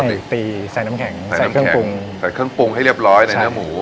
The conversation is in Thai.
หรือตีใส่น้ำแข็งใส่เครื่องปรุงใส่เครื่องปรุงให้เรียบร้อยในเนื้อหมู